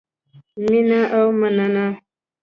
مینه او مننه